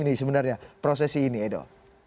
apa yang sebenarnya proses ini edo